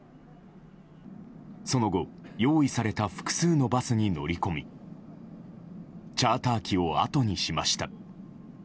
その後、用意された複数のバスに乗り込みチャーター機をあとにしました。